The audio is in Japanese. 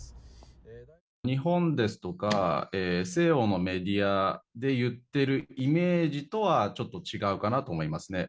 日本ですとか、西洋のメディアで言ってるイメージとはちょっと違うかなと思いますね。